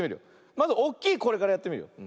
まずおっきいこれからやってみるよ。